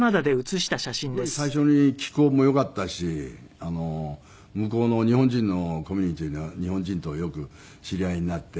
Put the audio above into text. だからすごい最初に気候も良かったし向こうの日本人のコミュニティー日本人とよく知り合いになって。